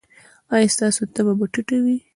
ایا ستاسو تبه به ټیټه وي؟